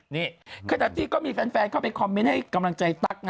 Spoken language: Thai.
นี่ขณะที่ก็มีแฟนเข้าไปคอมเมนต์ให้กำลังใจตั๊กนะ